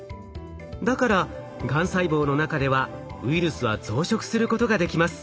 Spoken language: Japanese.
だからがん細胞の中ではウイルスは増殖することができます。